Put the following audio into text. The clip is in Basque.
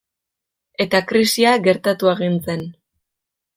Eta krisia gertatu egin zen.